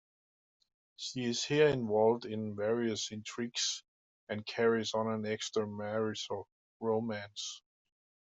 She is here involved in various intrigues, and carries on an extramarital romance.